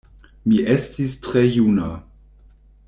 Mi estis tre juna.